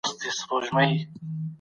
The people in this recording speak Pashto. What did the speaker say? تاسي کله د یووالي شعار ورکړی؟